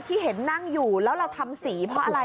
ที่เห็นนั่งอยู่แล้วเราทำสีเพราะอะไร